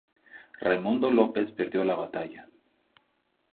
Raimondo López perdió la batalla.